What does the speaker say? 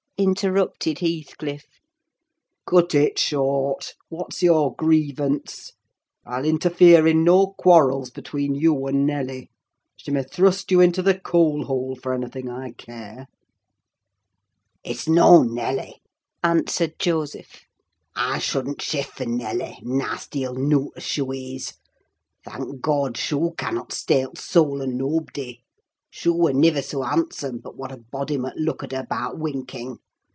interrupted Heathcliff, "cut it short! What's your grievance? I'll interfere in no quarrels between you and Nelly. She may thrust you into the coal hole for anything I care." "It's noan Nelly!" answered Joseph. "I sudn't shift for Nelly—nasty ill nowt as shoo is. Thank God! shoo cannot stale t' sowl o' nob'dy! Shoo wer niver soa handsome, but what a body mud look at her 'bout winking.